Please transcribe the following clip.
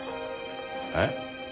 えっ？